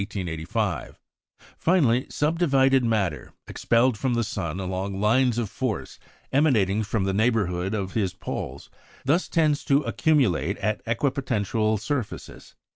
Finely subdivided matter, expelled from the sun along lines of force emanating from the neighbourhood of his poles, thus tends to accumulate at "equipotential surfaces."